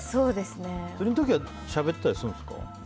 釣りの時しゃべったりするんですか？